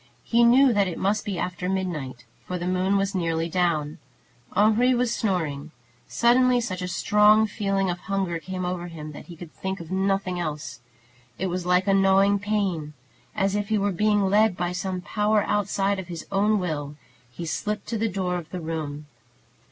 He knew that it must be after midnight, for the moon was nearly down. Henri was snoring. Suddenly such a strong feeling of hunger came over him, that he could think of nothing else. It was like a gnawing pain. As if he were being led by some power outside of his own will, he slipped to the door of the room.